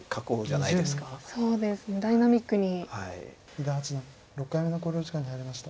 伊田八段６回目の考慮時間に入りました。